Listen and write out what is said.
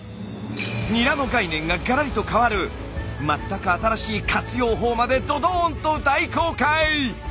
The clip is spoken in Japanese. ニラの概念ががらりと変わる全く新しい活用法までドドーンと大公開！